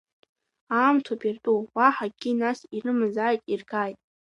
Аамҭоуп иртәу, уаҳа акгьы, нас ирымазааит, иргааит…